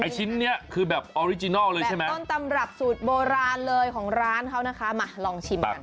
๑ชิ้นแบบต้นตำรับสูตรโบราณเลยของร้านเขานะคะมาลองชิมกัน